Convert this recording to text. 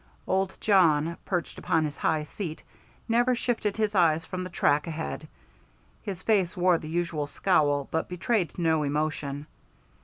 Old Jawn, perched upon his high seat, never shifted his eyes from the track ahead. His face wore the usual scowl, but betrayed no emotion.